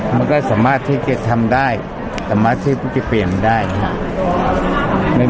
มันก็สามารถที่จะทำได้สามารถที่จะเปลี่ยนได้นะครับ